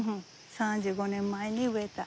３５年前に植えた。